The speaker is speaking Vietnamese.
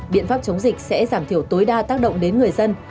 biện pháp chống dịch sẽ giảm thiểu tối đa tác động đến người dân